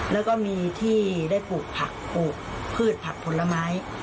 แล้วก็มีที่ได้ปลูกผักปลูกพืชผักผลไม้